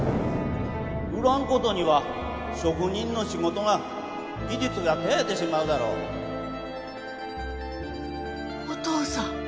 売らんことには職人の仕事が技術が絶えてしまうだろうお父さん。